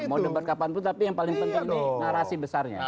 mau debat kapanpun tapi yang paling penting nih narasi besarnya